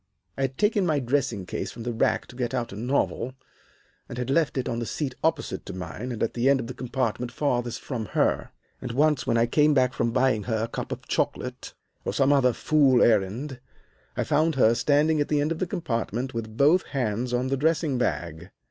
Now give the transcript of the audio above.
"I had taken my dressing case from the rack to get out a novel, and had left it on the seat opposite to mine, and at the end of the compartment farthest from her. And once when I came back from buying her a cup of chocolate, or from some other fool errand, I found her standing at my end of the compartment with both hands on the dressing bag.